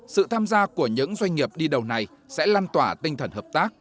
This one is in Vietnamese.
sự tham gia của những doanh nghiệp đi đầu này sẽ lan tỏa tinh thần hợp tác